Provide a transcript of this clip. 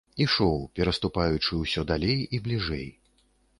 Ішоў, пераступаючы ўсё далей і бліжэй.